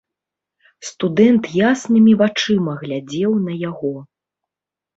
Студэнт яснымі вачыма глядзеў на яго.